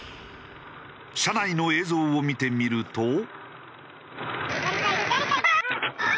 車内の映像を見てみると。